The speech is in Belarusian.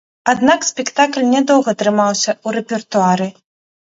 Аднак спектакль нядоўга трымаўся ў рэпертуары.